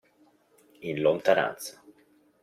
In lontananza.